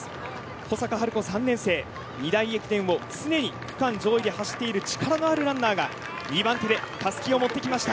保坂晴子、３年生二大駅伝を常に上位で走っている力のあるランナーが２番手でたすきを持ってきました。